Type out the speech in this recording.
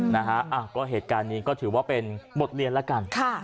เรื่องเรื่องนี้ก็ถือว่าหมดเรียนละกัน